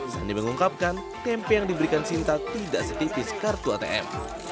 sandi mengungkapkan tempe yang diberikan sinta tidak setipis kartu atm